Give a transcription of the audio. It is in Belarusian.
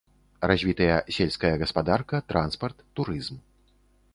Развітыя сельская гаспадарка, транспарт, турызм.